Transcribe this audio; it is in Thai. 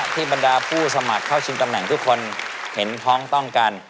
บรรดาผู้สมัครเข้าชิงตำแหน่งทุกคนเห็นพ้องต้องกัน